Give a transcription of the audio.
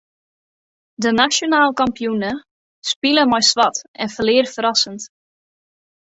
De nasjonaal kampioene spile mei swart en ferlear ferrassend.